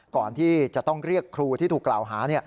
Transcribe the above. ก่อนที่จะต้องเรียกครูที่ถูกกล่าวหา